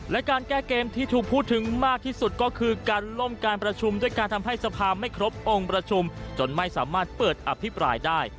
และการแก้เกมที่ถูกพูดถึงมากที่สุดก็คือการล่มการประชุมด้วยการทำให้สภาไม่ครบองค์ประชุมจนไม่สามารถเปิดอภิปรายได้